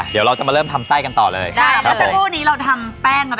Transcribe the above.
เดี๋ยวเราจะมาเริ่มทำไส้กันต่อเลยแล้วสักครู่นี้เราทำแป้งมาไปแล้ว